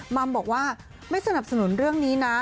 มัมบอกว่าไม่สนับสนุนเรื่องนี้นะ